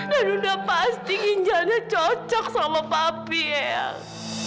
dan udah pasti ginjelnya cocok sama papi ayah